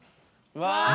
うわ！